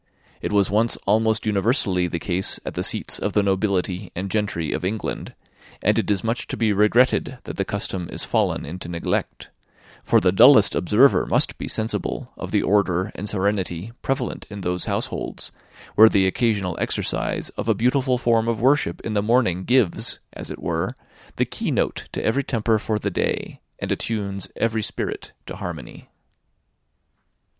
It was once almost universally the case at the seats of the nobility and gentry of England, and it is much to be regretted that the custom is fallen into neglect; for the dullest observer must be sensible of the order and serenity prevalent in those households, where the occasional exercise of a beautiful form of worship in the morning gives, as it were, the key note to every temper for the day, and attunes every spirit to harmony.